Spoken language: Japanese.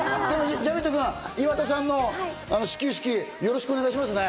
ジャビットくん、岩田さんの始球式、よろしくお願いしますね。